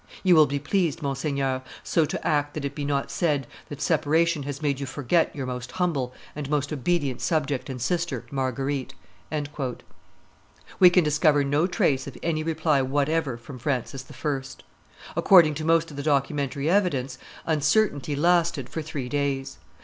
You will be pleased, Monseigneur, so to act that it be not said that separation has made you forget your most humble and most obedient subject and sister, Marguerite." We can discover no trace of any reply whatever from Francis I. According to most of the documentary evidence, uncertainty lasted for three days.